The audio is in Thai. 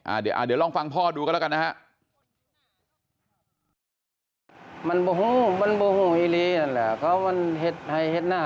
เดี๋ยวลองฟังพ่อดูกันแล้วกันนะฮะ